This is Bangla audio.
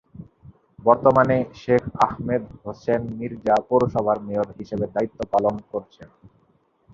বর্তমানে শেখ আহমেদ হোসেন মির্জা পৌরসভার মেয়র হিসেবে দায়িত্ব পালন করছেন।